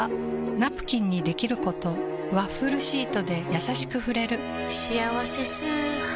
ナプキンにできることワッフルシートでやさしく触れる「しあわせ素肌」